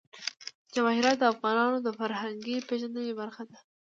جواهرات د افغانانو د فرهنګي پیژندنې برخه ده.